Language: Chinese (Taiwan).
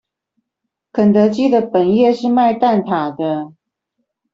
肯德基的本業是賣蛋塔的